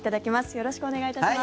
よろしくお願いします。